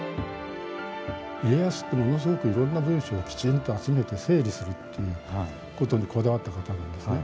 家康ってものすごくいろんな文書をきちんと集めて整理するっていうことにこだわった方なんですね。